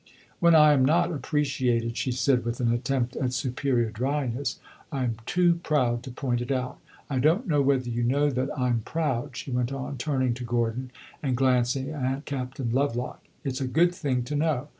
"When I am not appreciated," she said, with an attempt at superior dryness, "I am too proud to point it out. I don't know whether you know that I 'm proud," she went on, turning to Gordon and glancing at Captain Lovelock; "it 's a good thing to know.